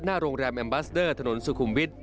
หน้าโรงแรมแมมบัสเดอร์ถนนสุขุมวิทย